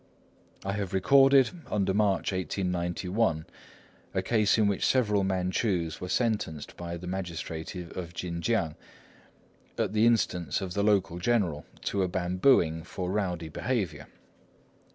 I have recorded, under March, 1891, a case in which several Manchus were sentenced by the magistrate of Chinkiang, at the instance of the local general, to a bambooing for rowdy behaviour.